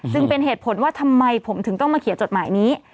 ซึ่งเป็นเหตุผลว่าทำไมผมถึงต้องมาเขียนจดหมายนี้